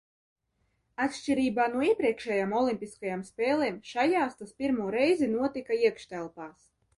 Atšķirībā no iepriekšējām olimpiskajām spēlēm šajās tas pirmo reizi notika iekštelpās.